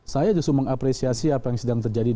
saya justru mengapresiasi apa yang sedang terjadi